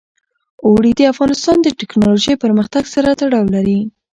اوړي د افغانستان د تکنالوژۍ پرمختګ سره تړاو لري.